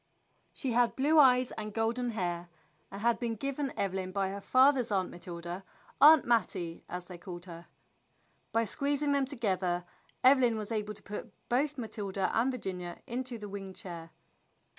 She had blue eyes and golden hair, and had been given Eve lyn by her father's Aunt Matilda, "Aunt Mattie," as they all called her. By squeezing them together Evelyn was able to put both Matilda and Virginia into the wing chair.